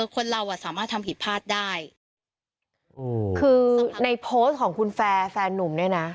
คนเราอ่ะสามารถทำผิดพลาดได้อืมคือในโพสต์ของคุณแฟร์แฟนนุ่มเนี่ยนะ